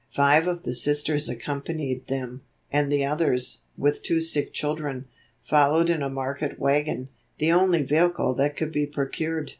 Five of the Sisters accompanied them, and the others, with two sick children, followed in a market wagon, the only vehicle that could be procured.